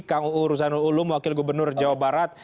kuu ruslanul ulum wakil gubernur jawa barat